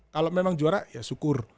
kalau memang juara ya syukur